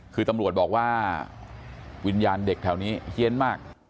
คือตำรวจบอกว่าวิญญาณเด็กแถวนี้เฮียนมาก